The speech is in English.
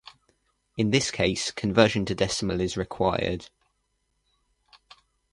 In this case conversion to Decimal is required.